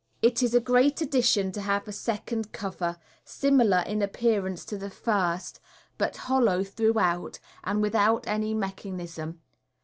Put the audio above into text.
It is a great addition to have a second cover, similar in appearance to the first, but hollow throughout, and without any mechanism.